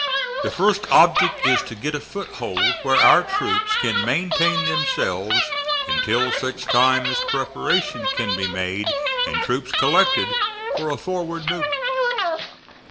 The first object is to get a foothold where our troops can maintain themselves until such time as preparations can be made and troops collected for a forward movement.